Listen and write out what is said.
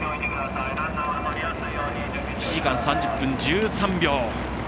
１時間３０分１３秒。